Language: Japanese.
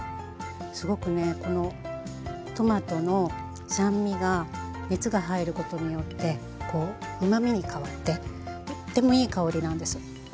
すごくねこのトマトの酸味が熱が入ることによってこううまみに変わってとってもいい香りなんです。